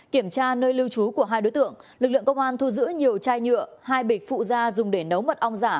kiểm tra nơi lưu trú của hai đối tượng lực lượng công an thu giữ nhiều chai nhựa hai bịch phụ da dùng để nấu mật ong giả